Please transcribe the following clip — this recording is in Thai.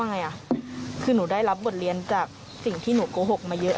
ไงอ่ะคือหนูได้รับบทเรียนจากสิ่งที่หนูโกหกมาเยอะ